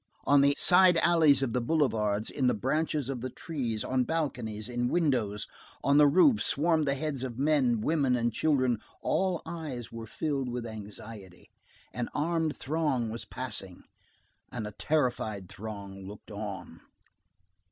On the side alleys of the boulevards, in the branches of the trees, on balconies, in windows, on the roofs, swarmed the heads of men, women, and children; all eyes were filled with anxiety. An armed throng was passing, and a terrified throng looked on.